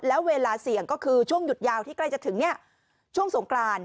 แล้วเวลาเสี่ยงก็คือช่วงหยุดยาวที่ใกล้จะถึงช่วงสงกราน